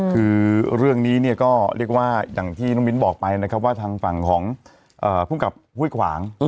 คือเรื่องนี้เนี่ยก็เรียกว่าอย่างที่น้องมิ้นบอกไปนะครับว่าทางฝั่งของภูมิกับห้วยขวาง